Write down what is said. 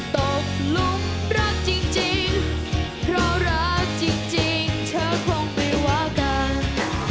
ตกลุมรักจริงเพราะรักจริงเธอคงไม่ว่ากัน